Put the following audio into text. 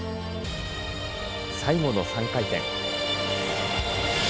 最後の３回転。